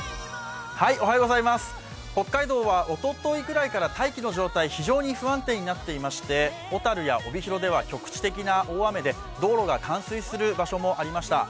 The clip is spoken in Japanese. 北海道はおとといぐらいから大気の状態が非常に不安定になっていまして小樽や帯広では局地的な大雨で道路が冠水する場所もありました。